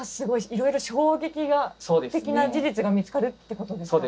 いろいろ衝撃的な事実が見つかるってことですか。